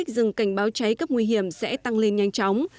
cháy cấp nguy hiểm sẽ tăng lên nhanh chóng